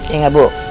iya gak bu